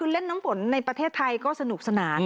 เล่นน้ำฝนในประเทศไทยก็สนุกสนาน